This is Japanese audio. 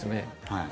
はい。